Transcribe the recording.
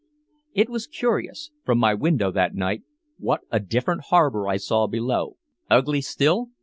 It was curious, from my window that night, what a different harbor I saw below. Ugly still?